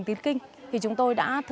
tiếng thái gọi là gì